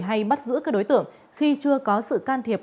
hay bắt giữ các đối tượng khi chưa có sự can thiệp